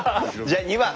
じゃあ２番。